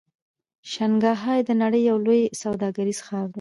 شانګهای د نړۍ یو لوی سوداګریز ښار دی.